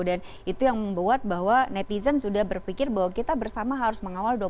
dan itu yang membuat bahwa netizen sudah berpikir bahwa kita bersama harus mengawal